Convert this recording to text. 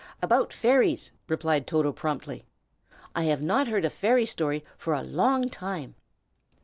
"About fairies!" replied Toto, promptly. "I have not heard a fairy story for a long time."